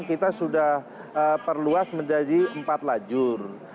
kita sudah perluas menjadi empat lajur